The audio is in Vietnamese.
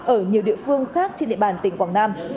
ở nhiều địa phương khác trên địa bàn tỉnh quảng nam